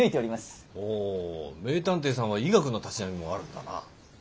ほう名探偵さんは医学のたしなみもあるんだな。